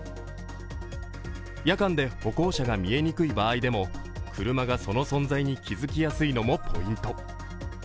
夜間で歩行者が見えにくい場合でも車がその存在に気付きやすいのもポイント。